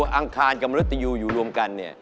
ถึงเวลาที่คุณจะได้รู้ดวงชะตาของสาวโสดของเราคนนี้แล้ว